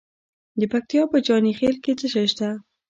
د پکتیا په جاني خیل کې څه شی شته؟